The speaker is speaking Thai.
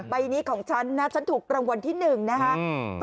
ใบนี้ของฉันนะฉันถูกรางวัลที่หนึ่งนะคะ